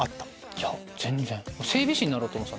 いや全然。